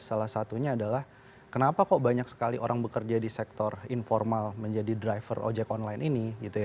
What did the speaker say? salah satunya adalah kenapa kok banyak sekali orang bekerja di sektor informal menjadi driver ojek online ini